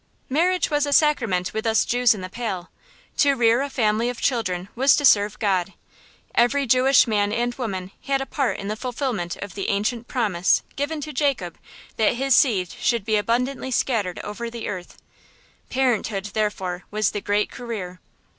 Marriage was a sacrament with us Jews in the Pale. To rear a family of children was to serve God. Every Jewish man and woman had a part in the fulfilment of the ancient promise given to Jacob that his seed should be abundantly scattered over the earth. Parenthood, therefore, was the great career.